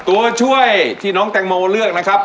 ตัวช่วยที่น้องแตงโมเลือกนะครับ